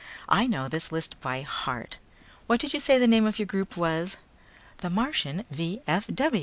I know this list by heart. What did you say the name of your group was?" "The Martian V.